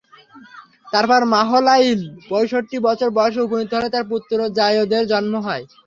তারপর মাহলাইল পঁয়ষট্টি বছর বয়সে উপনীত হলে তার পুত্র য়ারদ-এর জন্ম হয়।